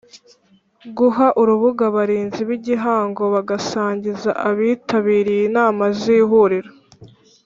Guha urubuga abarinzi b igihango bagasangiza abitabiriye inama z ihuriro